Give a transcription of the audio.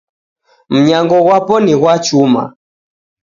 Nyango ghwapo ni ghwa chuma